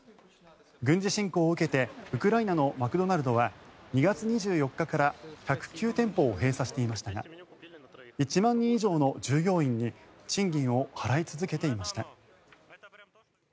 軍事侵攻を受けてウクライナのマクドナルドは２月２４日から１０９店舗を閉鎖していましたが１万人以上の従業員に賃金を払い続けていました。